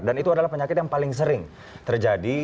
dan itu adalah penyakit yang paling sering terjadi